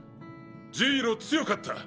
ジイロ強かった。